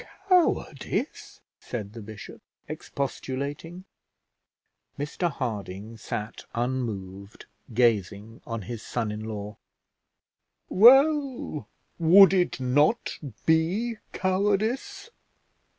"Cowardice!" said the bishop, expostulating. Mr Harding sat unmoved, gazing on his son in law. "Well; would it not be cowardice?